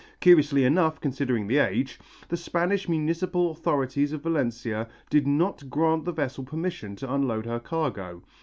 Curiously enough, considering the age, the Spanish municipal authorities of Valencia did not grant the vessel permission to unload her cargo.